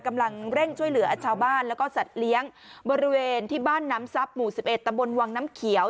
กำลังเร่งช่วยเหลือชาวบ้านแล้วก็สัตว์เลี้ยงบริเวณที่บ้านน้ำทรัพย์หมู่๑๑ตำบลวังน้ำเขียว